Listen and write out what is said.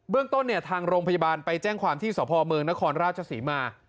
เรื่องต้นเนี่ยทางโรงพยาบาลไปแจ้งความที่สพเมืองนครราชศรีมา